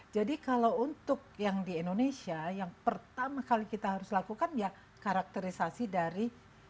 jadi kalau untuk yang di indonesia yang pertama kali kita harus lakukan ya karakterisasi dari